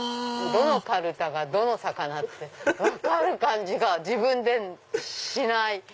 どのカルタがどの魚って分かる感じが自分でしない。